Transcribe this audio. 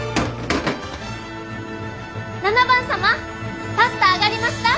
７番様パスタ上がりました。